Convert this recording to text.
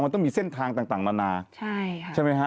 มันต้องมีเส้นทางต่างนานาใช่ไหมฮะ